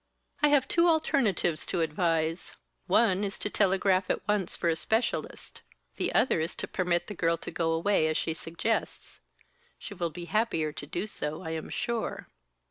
I have two alternatives to advise. One is to telegraph at once for a specialist. The other is to permit the girl to go away, as she suggests. She will be happier to do so, I am sure."